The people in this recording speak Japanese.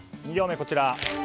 ２行目はこちら。